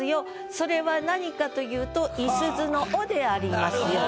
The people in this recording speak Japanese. それは何かというと五十鈴の緒でありますよと。